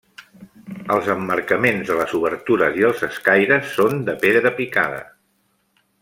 Els emmarcaments de les obertures i els escaires són de pedra picada.